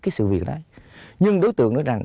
cái sự việc đó nhưng đối tượng nói rằng